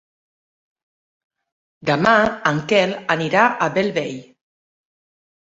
Demà en Quel anirà a Bellvei.